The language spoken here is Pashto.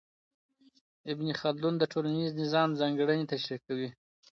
ابن خلدون د ټولنیز نظام ځانګړنې تشریح کوي.